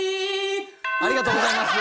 ありがとうございます。